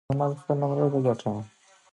ښه چي کور دي نه کړ جوړ په غم آباد کي